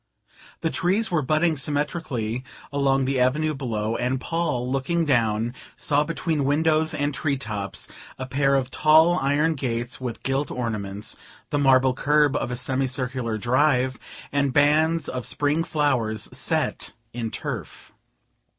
The trees were budding symmetrically along the avenue below; and Paul, looking down, saw, between windows and tree tops, a pair of tall iron gates with gilt ornaments, the marble curb of a semi circular drive, and bands of spring flowers set in turf.